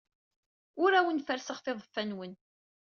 Ur awen-ferrseɣ tiḍeffa-nwen.